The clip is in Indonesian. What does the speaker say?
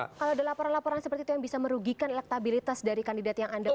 kalau ada laporan laporan seperti itu yang bisa merugikan elektabilitas dari kandidat yang anda katakan